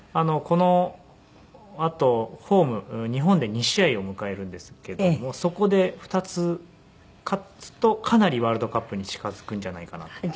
このあとホーム日本で２試合を迎えるんですけどもそこで２つ勝つとかなりワールドカップに近づくんじゃないかなと。